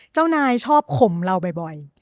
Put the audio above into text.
เจ้านายชอบข่มเราบ่อย